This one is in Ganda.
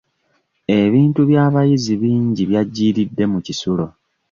Ebintu by'abayizi bingi byajjiiridde mu kisulo.